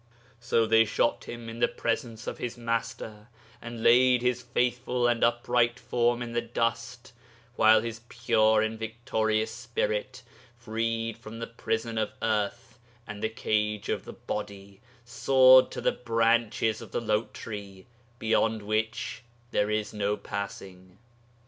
So they shot him in the presence of his Master, and laid his faithful and upright form in the dust, while his pure and victorious spirit, freed from the prison of earth and the cage of the body, soared to the branches of the Lote tree beyond which there is no passing.